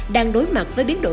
đang đối mặt với biến độ